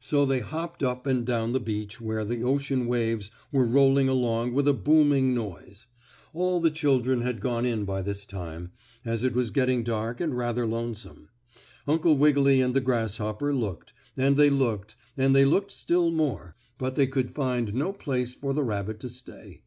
So they hopped up and down the beach where the ocean waves were rolling along with a booming noise. All the children had gone in by this time, as it was getting dark and rather lonesome. Uncle Wiggily and the grasshopper looked, and they looked, and they looked still more, but they could find no place for the rabbit to stay.